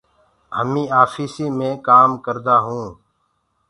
همينٚ آڦيِسي مي ڪآم ڪردآ هونٚ